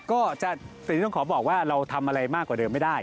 ก็สิ่งที่ต้องขอบอกว่าเราทำอะไรมากกว่าเดิมไม่ได้